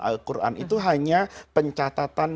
al quran itu hanya pencatatan